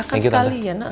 kan sekali ya nak